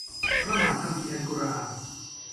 พระมหาคัมภีร์อัลกุรอาน